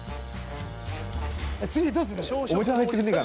次どうする？